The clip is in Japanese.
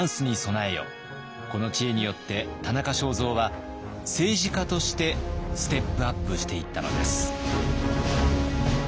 この知恵によって田中正造は政治家としてステップアップしていったのです。